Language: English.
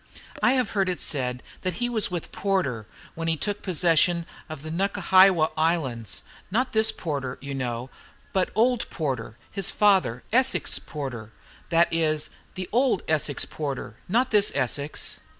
I have heard it said that he was with Porter when he took possession of the Nukahiwa Islands. Not this Porter, you know, but old Porter, his father, Essex Porter, that is, the old Essex Porter, not this Essex.